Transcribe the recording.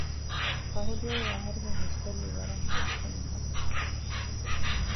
ފަހު ދުވަހު އަހަރެމެން ހުސްކޮށްލީ ވަރަށް ޚާއްސަ މީހަކަށް